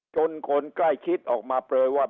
คนใกล้ชิดออกมาเปลยว่า